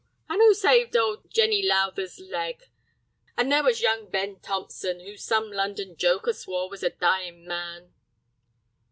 And who saved old Jenny Lowther's leg? And there was young Ben Thompson, who some London joker swore was a dyin' man!"